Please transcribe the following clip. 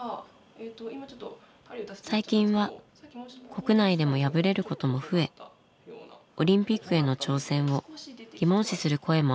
最近は国内でも敗れることも増えオリンピックへの挑戦を疑問視する声もあった。